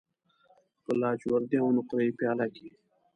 په لاجوردی او نقره یې پیاله کې